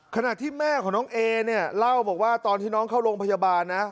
ขณะที่แม่ของน้องเอเนี่ยเล่าบอกว่าตอนที่น้องเข้าโรงพยาบาลนะ